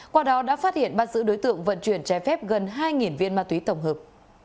qua đó đã phát hiện bắt giữ đối tượng vận chuyển trái phép gần hai viên ma túy tổng hợp